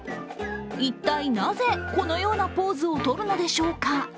一体なぜこのようなポーズをとるのでしょうか。